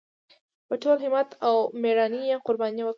په ټول همت او مېړانۍ یې قرباني ونکړه.